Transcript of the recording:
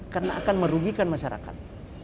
karena akan merugikan masyarakat